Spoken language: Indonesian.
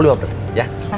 makasih om ya